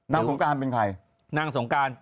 นางสงกรานเป็นใครนางสงกราน